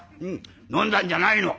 飲んだんじゃないの！